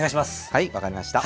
はい分かりました。